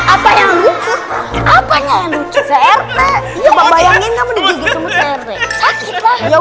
apa yang lucu apa yang lucu se ertek bayangin kamu digigit semut se ertek sakit lah yaudah